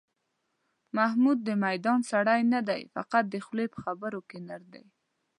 محمود د میدان سړی نه دی، فقط د خولې په خبرو کې نر دی.